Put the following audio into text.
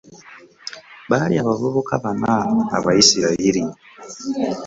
Baali abvubuka bana abayisirayiri .